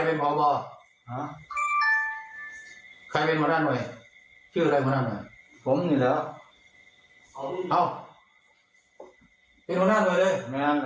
เอ้าเป็นพนันไว้เลย